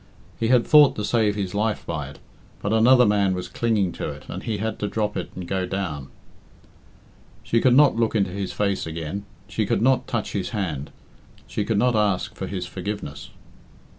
He had thought to save his life by it, but another man was clinging to it, and he had to drop it and go down. She could not look into his face again; she could not touch his hand; she could not ask for his forgiveness.